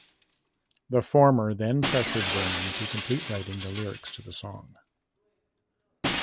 The former then pressured Vernon to complete writing the lyrics to the song.